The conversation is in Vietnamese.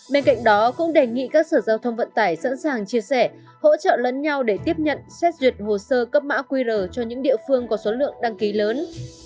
bên cạnh đó cũng đề nghị các sở giao thông vận tải sẵn sàng chia sẻ hỗ trợ lẫn nhau để tiếp nhận xét duyệt hồ sơ cấp mã qr cho những địa phương có số lượng đăng ký lớn